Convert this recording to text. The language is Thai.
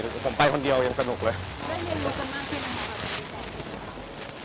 คือเราคุยกันเหมือนเดิมตลอดเวลาอยู่แล้วไม่ได้มีอะไรสูงแรง